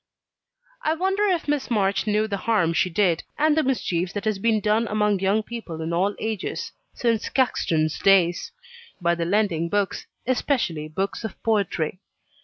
I wonder if Miss March knew the harm she did, and the mischief that has been done among young people in all ages (since Caxton's days), by the lending books, especially books of poetry.